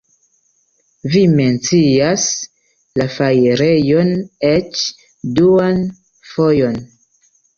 Vi mencias la fajrejon eĉ duan fojon.